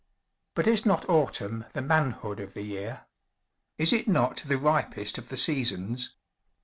But is not Autumn the Manhood of the year? Is it not the ripest of the seasons?